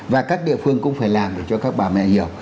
và các địa phương cũng phải làm để cho các bà mẹ hiểu